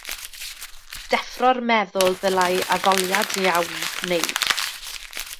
Deffro'r meddwl ddylai addoliad iawn wneud.